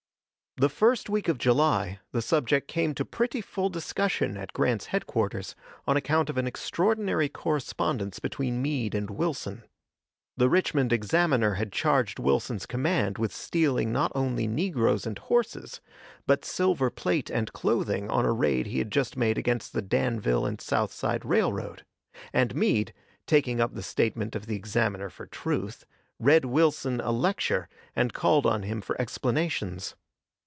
The first week of July the subject came to pretty full discussion at Grant's headquarters on account of an extraordinary correspondence between Meade and Wilson. The Richmond Examiner had charged Wilson's command with stealing not only negroes and horses, but silver plate and clothing on a raid he had just made against the Danville and Southside Railroad, and Meade, taking up the statement of the Examiner for truth, read Wilson a lecture, and called on him for explanations.